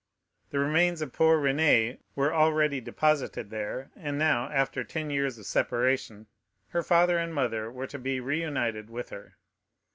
The remains of poor Renée were already deposited there, and now, after ten years of separation, her father and mother were to be reunited with her.